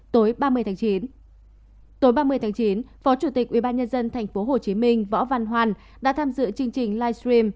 tối ba mươi chín phó chủ tịch ubnd tp hcm võ văn hoàn đã tham dự chương trình livestream